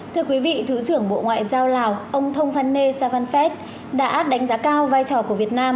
thưa quý vị thứ trưởng bộ ngoại giao lào ông thông phan nê savanfet đã đánh giá cao vai trò của việt nam